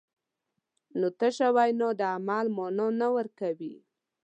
نو تشه وینا د عمل مانا نه ورکوي.